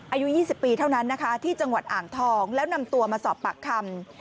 อายุ๒๐ปีเท่านั้นนะคะที่จังหวัดอ่างทองแล้วนำตัวมาสอบปากคำ